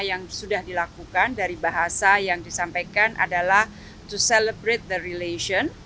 yang sudah dilakukan dari bahasa yang disampaikan adalah to celebrate the relation